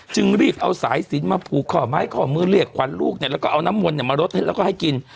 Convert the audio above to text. จึงรีบเอาสายสินมาผูกข้อไม้ข้อมือเรียกขวัญลูกเนี่ยแล้วก็เอาน้ำมนต์มารดให้แล้วก็ให้กิน